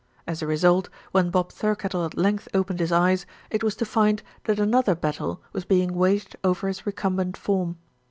As a result, when Bob Thirkettle at length opened his eyes, it was to find that another battle was being waged over his recumbent form.